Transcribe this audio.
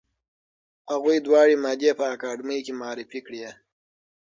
هغوی دواړه مادې په اکاډمۍ کې معرفي کړې.